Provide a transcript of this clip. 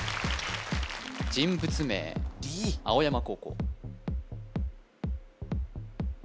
人物名青山高校